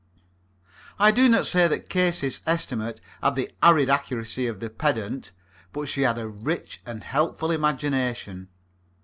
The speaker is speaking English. I do not say that dear Casey's estimate had the arid accuracy of the pedant, but she had a rich and helpful imagination.